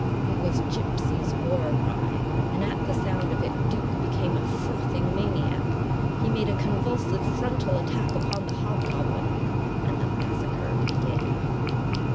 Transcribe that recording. It was Gipsy's war cry, and, at the sound of it, Duke became a frothing maniac. He made a convulsive frontal attack upon the hobgoblin and the massacre began.